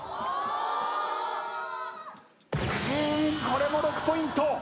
⁉これも６ポイント。